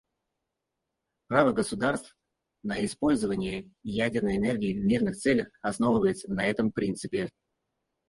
Право государств на использование ядерной энергии в мирных целях основывается на этом принципе.